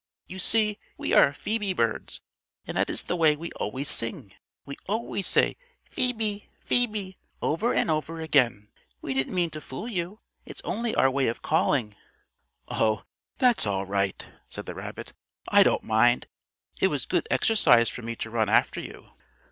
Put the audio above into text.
You see we are Phoebe birds, and that is the way we always sing. We always say 'Phoebe Phoebe' over and over again. We didn't mean to fool you. It's only our way of calling." "Oh, that's all right," said the rabbit. "I don't mind. It was good exercise for me to run after you."